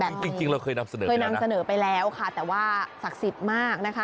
นี่จริงเราเคยนำเสนอไปแล้วแต่ว่าศักดิ์สิทธิ์มากนะคะ